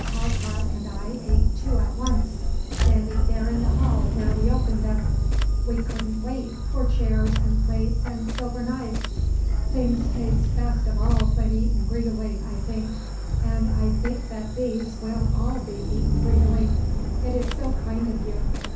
Talcott and I ate two at once, standing there in the hall where we opened them; we couldn't wait for chairs and plates and silver knives; things taste best of all when eaten greedily, I think, and I think that these will all be eaten greedily. It is so kind of you.